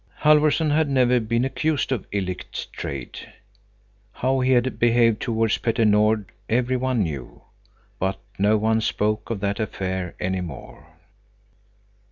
Halfvorson had never been accused of illicit trade. How he had behaved towards Petter Nord every one knew, but no one spoke of that affair any more.